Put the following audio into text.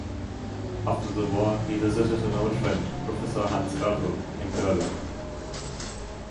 After the war he visited an old friend Professor Hans Ertel in Berlin.